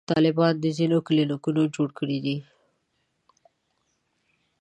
طالبانو ځینې کلینیکونه جوړ کړي دي.